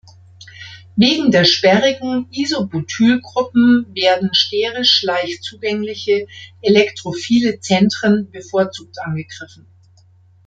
Wegen der sperrigen iso-Butyl-Gruppen werden sterisch leicht zugängliche, elektrophile Zentren bevorzugt angegriffen.